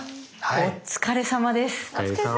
お疲れさまです。